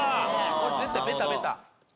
これ絶対ベタベタ。